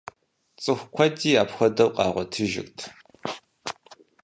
Цӏыху куэди апхуэдэу къагъуэтыжырт.